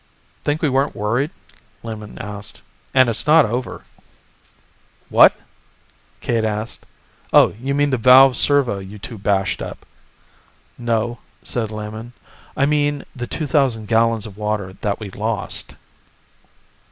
"Think we weren't worried?" Lehman asked. "And it's not over." "What?" Cade asked. "Oh, you mean the valve servo you two bashed up?" "No," said Lehman, "I mean the two thousand gallons of water that we lost."